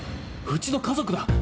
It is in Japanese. うちの家族だ！